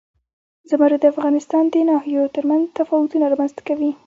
زمرد د افغانستان د ناحیو ترمنځ تفاوتونه رامنځ ته کوي.